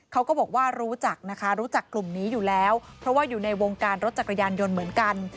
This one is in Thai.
เขาก็บอกว่ารู้จักนะคะรู้จักกลุ่มนี้อยู่แล้วเพราะว่าอยู่ในวงการรถจักรยานยนต์เหมือนกัน